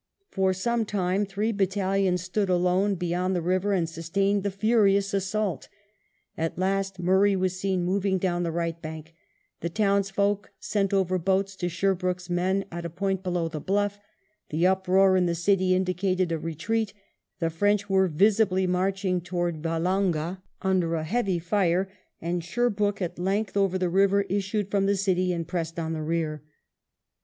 For some time three battalions stood alone beyond the river and sustained the furious assault. At last Murray was seen moving down the right bank ; the townsfolk sent over boats to Sherbrooke's men at a point below the bluff; the uproar in the city indicated a retreat, the French were visibly marching towards Vallonga under a heavy fire, and Sherbrooke, at length over the river, issued from the city and pressed on the rear.